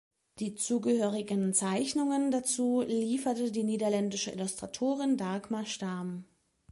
Die zugehörigen Zeichnungen dazu lieferte die niederländische Illustratorin Dagmar Stam.